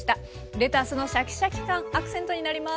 レタスのシャキシャキ感アクセントになります。